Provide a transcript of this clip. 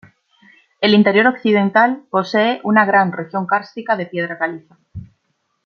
El interior occidental posee una gran región kárstica de piedra caliza.